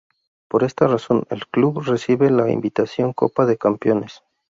Por esta razón el club recibe la invitación Copa de Campeones.